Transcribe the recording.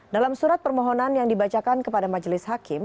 dalam surat permohonan yang dibacakan kepada majelis hakim